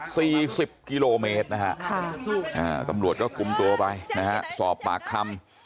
สิบกิโลเมตรนะฮะค่ะอ่าตำรวจก็คุมตัวไปนะฮะสอบปากคำ